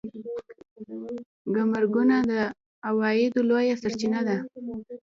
ګمرکونه د عوایدو لویه سرچینه ده